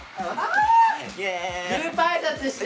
グループ挨拶して。